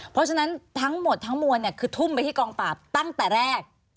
เพราะฉะนั้นทั้งหมดทั้งมวลคือทุ่มไปที่กองปราบตั้งแต่แรก